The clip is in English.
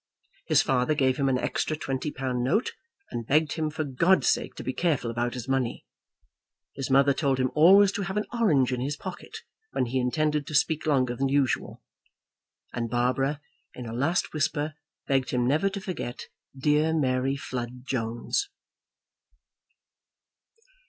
His father gave him an extra twenty pound note, and begged him for God's sake to be careful about his money. His mother told him always to have an orange in his pocket when he intended to speak longer than usual. And Barbara in a last whisper begged him never to forget dear Mary Flood Jones.